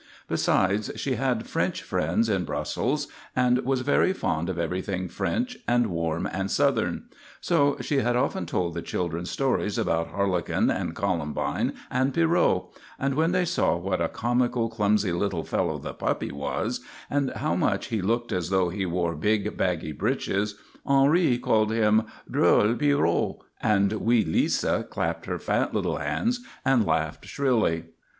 Besides, she had French friends in Brussels and was very fond of everything French and warm and southern. So she had often told the children stories about Harlequin and Columbine and Pierrot; and when they saw what a comical, clumsy little fellow the puppy was, and how much he looked as though he wore big, baggy breeches, Henri called him "drôle Pierrot," and wee Lisa clapped her fat little hands and laughed shrilly.